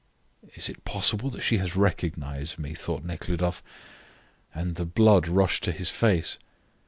"Is it possible that she has recognised me?" thought Nekhludoff, and the blood rushed to his face.